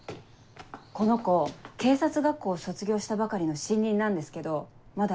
この子警察学校を卒業したばかりの新任なんですけどまだ